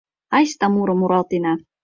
Айста мурым муралтена.